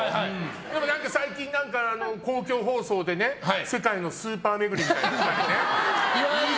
でも何か最近、公共放送で世界のスーパー巡りみたいなのやったりね。